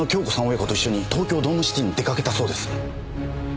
親子と一緒に東京ドームシティに出かけたそうです。